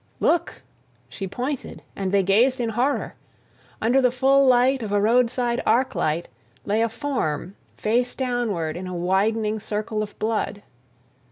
_" "Look!" She pointed and they gazed in horror. Under the full light of a roadside arc light lay a form, face downward in a widening circle of blood.